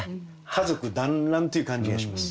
家族団らんという感じがします。